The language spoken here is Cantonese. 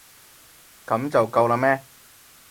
噉就夠喇咩？